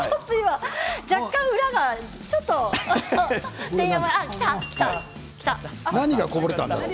若干裏が何がこぼれたんだろう？